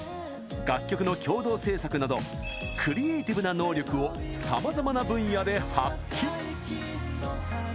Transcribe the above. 楽曲の共同制作などクリエーティブな能力をさまざまな分野で発揮！